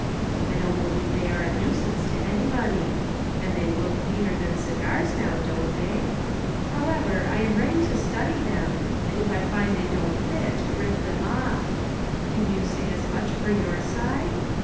I don't believe they are a nuisance to anybody ; and they look neater than cigars, now, don't they ? However, I am ready to study them, and if I find they don't fit, rip them off. Can you say as much for your side